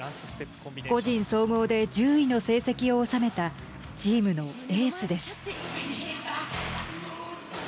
個人総合で１０位の成績を収めたチームのエースです。